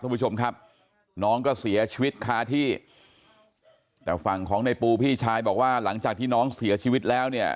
คุณผู้ชมครับน้องก็เสียชีวิตคาที่แต่ฝั่งของในปูพี่ชายบอกว่าหลังจากที่น้องเสียชีวิตแล้วเนี่ย